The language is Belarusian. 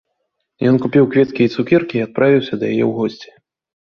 Ён купіў кветкі і цукеркі і адправіўся да яе ў госці.